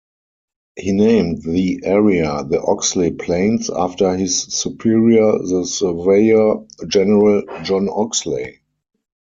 He named the area the Oxley Plains after his superior the surveyor-general, John Oxley.